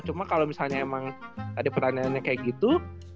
cuma kalau misalnya emang ada pertanyaannya kayak gitu